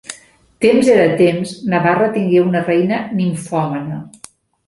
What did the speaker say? Temps era temps Navarra tingué una reina nimfòmana.